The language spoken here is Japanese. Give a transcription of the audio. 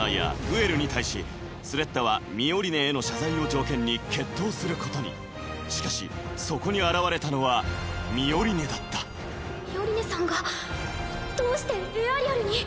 グエルに対しスレッタはミオリネへの謝罪を条件に決闘することにしかしそこに現れたのはミオリネだったミオリネさんがどうしてエアリアルに？